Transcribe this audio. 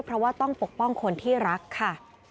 เพราะว่าต้องปกป้องคนที่รักค่ะ